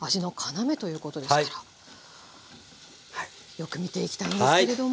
よく見ていきたいんですけれども。